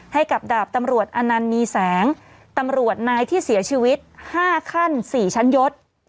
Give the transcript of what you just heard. ให้กับดาบตำรวจอนันต์มีแสงตำรวจนายที่เสียชีวิต๕ขั้น๔ชั้นยศ